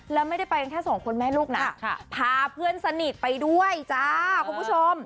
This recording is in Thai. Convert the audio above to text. แล้วไม่ได้ไปกันแค่สองคนแม่ลูกนะพาเพื่อนสนิทไปด้วยจ้าคุณผู้ชม